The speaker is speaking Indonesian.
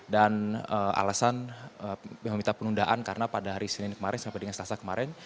dan alasan meminta penundaan karena pada hari senin kemarin